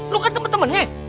lu kan temen temennya